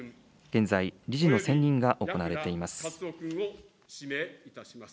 現在、理事の選任が行われています。